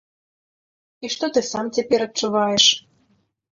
І што ты сам цяпер адчуваеш?